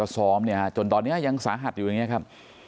ซ้อมเนี่ยจนตอนนี้ยังสาหัสอยู่อย่างนี้ครับ